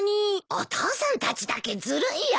お父さんたちだけずるいや。